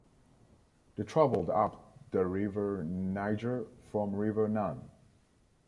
They traveled up the River Niger from River Nun.